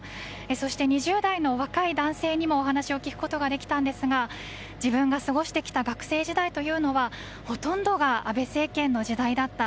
そして２０代の若い男性にもお話を聞くことができたんですが自分が過ごしてきた学生時代というのはほとんどが安倍政権の時代だった。